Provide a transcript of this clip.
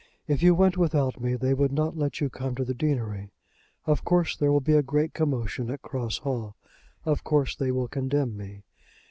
If you went without me they would not let you come to the deanery. Of course there will be a great commotion at Cross Hall. Of course they will condemn me.